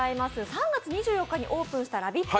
３月２４日にオープンしたラヴィット！